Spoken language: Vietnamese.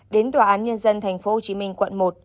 đến tòa án nhân dân tp hcm quận một